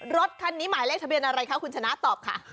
รถคันนี้หมายเลขทะเบียนอะไรคะคุณชนะตอบค่ะ